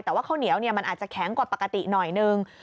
แต่ว่าข้าวเหนียวมันอาจจะแข็งกว่าปกติหน่อยนึง